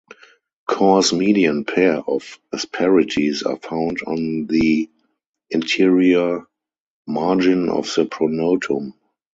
Coarse median pair of asperities are found on the anterior margin of the pronotum.